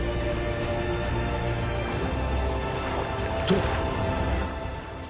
［と］